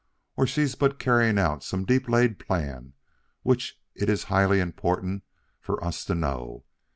or she's but carrying out some deep laid plan which it is highly important for us to know.